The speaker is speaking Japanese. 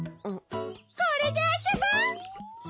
これであそぼう！